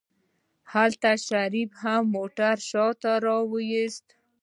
هلته شريف هم موټر شاته راوست.